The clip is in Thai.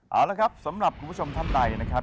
เอาละครับสำหรับคุณผู้ชมท่านใดนะครับ